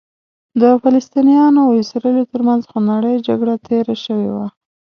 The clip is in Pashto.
د فلسطینیانو او اسرائیلو ترمنځ خونړۍ جګړه تېره شوې وه.